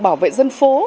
bảo vệ dân phố